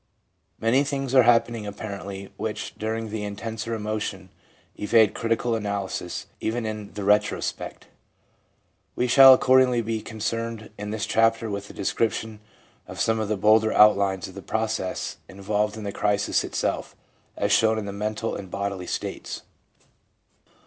Many things are happening, apparently, which, during the intenser emotion, evade critical analysis, even in the retrospect. We shall, accordingly, be concerned in this chapter with a description of some of the bolder outlines of the process involved in the crisis itself, as shown in the mental and bodily states.